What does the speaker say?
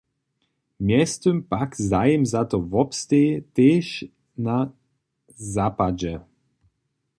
Mjeztym pak zajim za to wobsteji, tež na zapadźe.